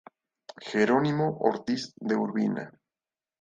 Jerónimo Ortiz de Urbina